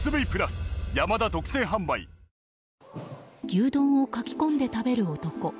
牛丼をかき込んで食べる男。